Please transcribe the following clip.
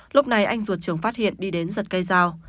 lúc này anh ruột trường phát hiện đi đến giật cây dao